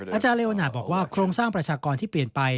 อาจารย์เลวนาจบอกว่าโครงสร้างประชากรที่เปลี่ยนไป